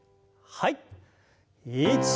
はい。